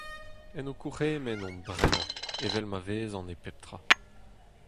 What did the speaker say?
En ho kourc'hemenn on bremañ evel ma vezan e pep tra.